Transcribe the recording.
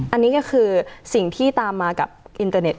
อันนี้ก็คือสิ่งที่ตามมากับอินเตอร์เน็